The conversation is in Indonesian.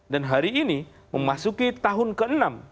dan hari ini memasuki tahun ke enam